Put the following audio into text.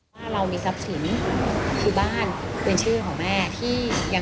แล้วก็เดินแม่คนเดียว